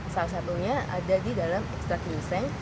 salah satunya ada di dalam ekstrak giseng